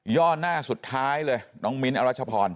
่อหน้าสุดท้ายเลยน้องมิ้นทรัชพร